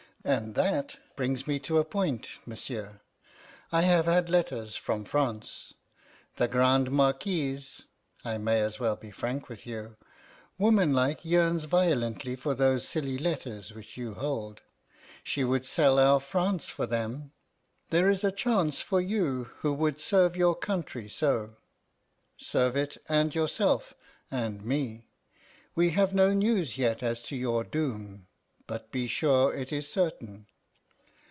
And that brings me to a point, monsieur. I have had letters from France. The Grande Marquise I may as well be frank with you womanlike, yearns violently for those silly letters which you hold. She would sell our France for them. There is a chance for you who would serve your country so. Serve it, and yourself and me. We have no news yet as to your doom, but be sure it is certain.